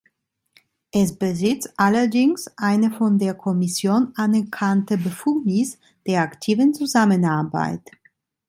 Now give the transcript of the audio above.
Es besitzt allerdings eine von der Kommission anerkannte Befugnis der aktiven Zusammenarbeit.